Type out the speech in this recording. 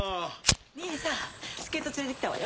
兄さん助っ人連れてきたわよ。